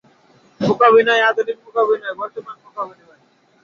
মূকাভিনয়, আধুনিক মূকাভিনয়, বর্তমান মূকাভিনয়।